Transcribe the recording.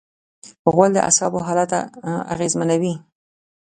غول د اعصابو حالت اغېزمنوي.